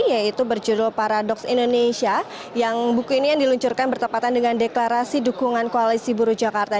yaitu berjudul paradoks indonesia yang buku ini yang diluncurkan bertepatan dengan deklarasi dukungan koalisi buruh jakarta